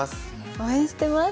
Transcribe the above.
応援してます。